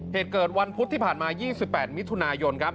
เหตุเกิดวันพุธที่ผ่านมา๒๘มิถุนายนครับ